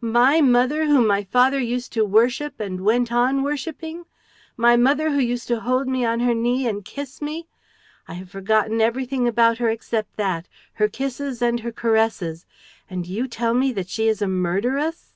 My mother, whom my father used to worship and went on worshiping! My mother, who used to hold me on her knee and kiss me! I have forgotten everything about her except that, her kisses and her caresses! And you tell me that she is a murderess!"